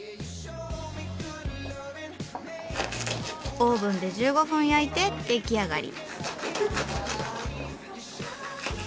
オーブンで１５分焼いて出来上がり。